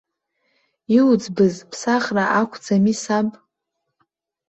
Иуӡбыз ԥсахра ақәӡами, саб?